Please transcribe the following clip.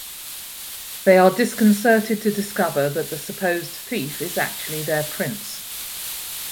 They are disconcerted to discover that the supposed thief is actually their prince.